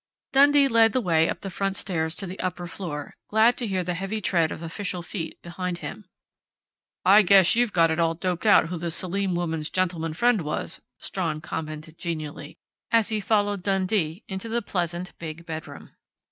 Dundee led the way up the front stairs to the upper floor, glad to hear the heavy tread of official feet behind him. "I guess you've got it all doped out who the Selim woman's gentleman friend was," Strawn commented genially, as he followed Dundee into the pleasant, big bedroom.